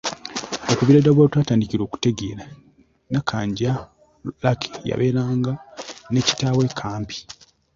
Okuviira ddala we yatandikira okutegeera, Nnakanja Lucky yabeeranga ne kitaawe Kampi.